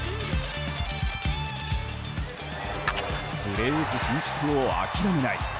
プレーオフ進出を諦めない。